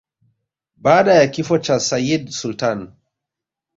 Baada ya kifo cha Sayyid Sultan